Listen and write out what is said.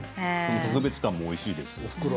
特別感もおいしいですし。